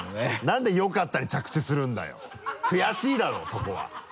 なんで「よかった」に着地するんだ「悔しい」だろうそこは。